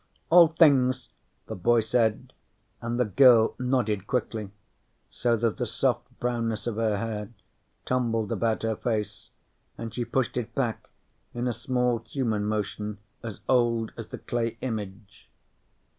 "All things," the boy said, and the girl nodded quickly, so that the soft brownness of her hair tumbled about her face, and she pushed it back in a small human motion as old as the clay image.